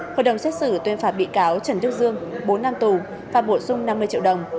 hội đồng xét xử tuyên phạt bị cáo trần đức dương bốn năm tù phạt bổ sung năm mươi triệu đồng